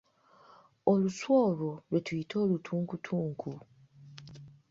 Olusu olwo lwe tuyita olutunkutunku .